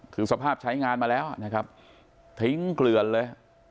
คือสภาพใช้งานมาแล้วนะครับทิ้งเกลือนเลย